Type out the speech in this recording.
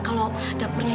kalau dapurnya nyambut